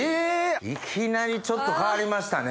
いきなりちょっと変わりましたね。